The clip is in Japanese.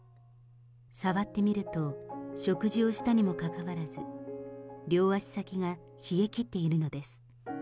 触ってみると、食事をしたにもかかわらず、両足先が冷え切っているのです。